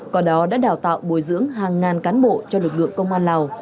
còn đó đã đào tạo bồi dưỡng hàng ngàn cán bộ cho lực lượng công an lào